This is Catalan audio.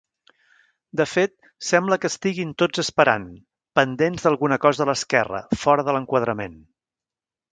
De fet, sembla que estiguin tots esperant, pendents d'alguna cosa a l'esquerra, fora de l'enquadrament.